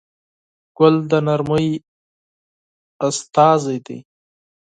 ګل د نرمۍ استازی دی.